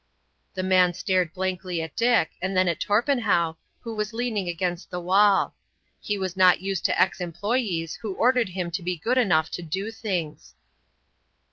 The man stared blankly at Dick, and then at Torpenhow, who was leaning against the wall. He was not used to ex employees who ordered him to be good enough to do things.